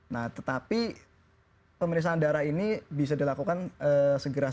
nah tetapi pemerisaan darah ini bisa dilakukan segera saja ya